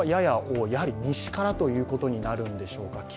やはり西からということになるんでしょうか。